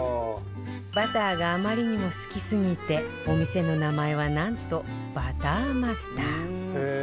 バターがあまりにも好きすぎてお店の名前はなんとバターマスター